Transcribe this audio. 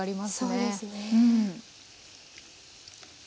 そうですね。